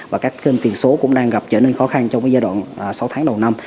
và các kênh tiền số cũng đang gặp trở nên khó khăn trong giai đoạn sáu tháng đầu năm